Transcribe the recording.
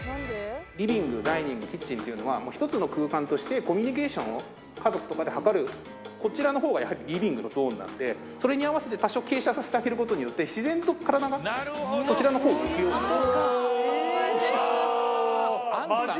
リビング、ダイニング、キッチンというのは、一つの空間として、コミュニケーションを家族とかで図る、こちらのほうがリビングのゾーンなんで、それに合わせて多少傾斜させてあげることによって、自然と体がそうわぁー！